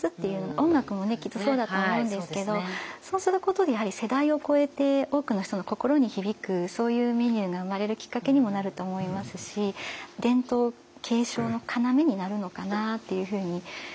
音楽もきっとそうだと思うんですけどそうすることでやはり世代を超えて多くの人の心に響くそういうメニューが生まれるきっかけにもなると思いますし伝統継承の要になるのかなっていうふうに感じてますねはい。